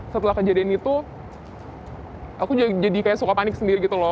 setelah kejadian itu aku jadi kayak suka panik sendiri gitu loh